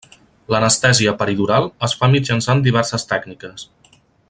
L'anestèsia peridural es fa mitjançant diverses tècniques.